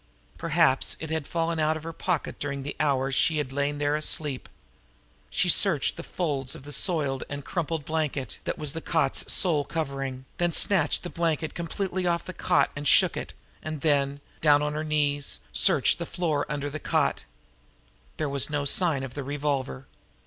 Perhaps it had fallen out of her pocket during the hours she had lain there asleep. She searched the folds of the soiled and crumpled blanket, that was the cot's sole covering, then snatched the blanket completely off the cot and shook it; and then, down on her knees, she searched the floor under the cot. There was no sign of the revolver.